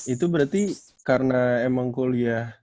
itu berarti karena emang kuliah